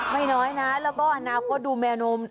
ไม่น้อยนะแล้วก็อนาคตดูแมวนม